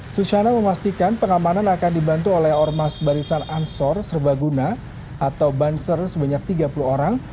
susana memastikan pengamanan akan dibantu oleh ormas barisan ansor serbaguna atau banser sebanyak tiga puluh orang